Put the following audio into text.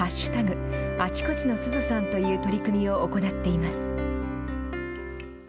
あちこちのすずさんという取り組みを行っています。